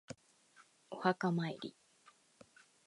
お墓参り